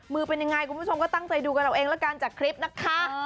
มือเป็นยังไงคุณผู้ชมก็ตั้งใจดูกันเราเองจากคลิปนะคะ